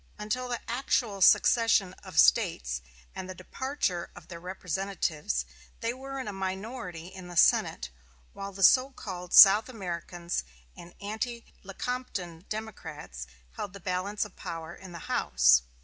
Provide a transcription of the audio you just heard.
Until the actual secession of States, and the departure of their representatives, they were in a minority in the Senate; while the so called South Americans and Anti Lecompton Democrats held the balance of power in the House.